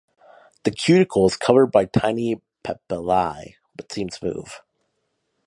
The cuticle is covered by tiny papillae but seems smooth.